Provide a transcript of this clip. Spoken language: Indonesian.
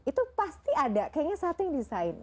itu pasti ada kayaknya satu yang desain